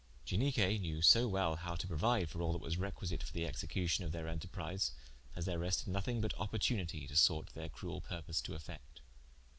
Ianique knew so well how to prouide for all that was requisite for the execution of their enterprise, as there rested nothing but opportunitie, to sort their cruel purpose to effect.